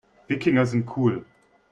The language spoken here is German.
Wikinger sind cool.